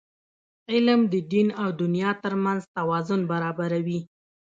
علم د دین او دنیا ترمنځ توازن برابروي.